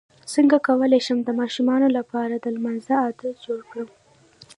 څنګه کولی شم د ماشومانو لپاره د لمانځه عادت جوړ کړم